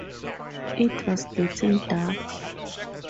It was getting dark.